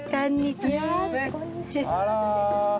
こんにちはって。